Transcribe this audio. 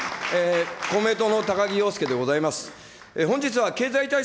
公明党の高木陽介でございます。